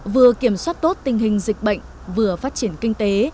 vừa kiểm soát tốt tình hình dịch bệnh vừa phát triển kinh tế